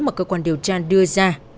mà cơ quan điều tra đưa ra